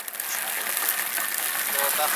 د معلوماتو راټولول باید دقت ولري.